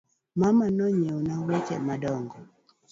Mama ne onyieo na woche madong’o